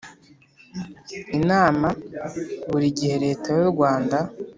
inama buri gihe Leta y u Rwanda